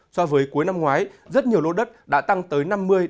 so với cuối năm ngoái rất nhiều lỗ đất đã tăng tới năm mươi sáu mươi